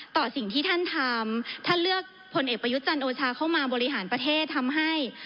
ต่อสิ่งที่ท่านทำท่านเลือกพลเอกประยุทธ์จันทร์โอชาเข้ามาบริหารประเทศทำให้